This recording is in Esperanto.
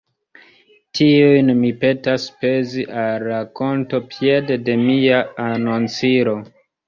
Tiujn mi petas spezi al la konto piede de mia anoncilo.